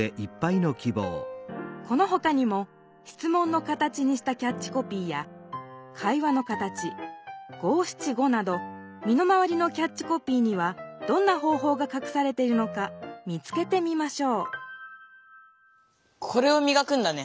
このほかにも「質問の形」にしたキャッチコピーや「会話の形」「五七五」などみの回りのキャッチコピーにはどんな方法がかくされているのか見つけてみましょうこれをみがくんだね。